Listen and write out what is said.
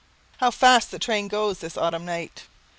How fast the train goes this autumn night!